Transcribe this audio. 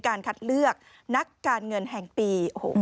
การคัดเลือกนักการเงินแห่งปี